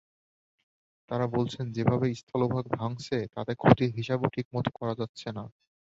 তাঁরা বলছেন, যেভাবে স্থলভাগ ভাঙছে, তাতে ক্ষতির হিসাবও ঠিকমতো করা যাচ্ছে না।